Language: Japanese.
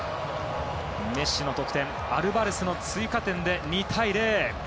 メッシの得点アルバレスの追加点で２対０。